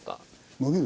伸びる？